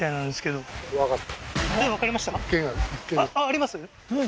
あります？